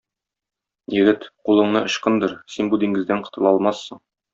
Егет, кулыңны ычкындыр, син бу диңгездән котыла алмассың.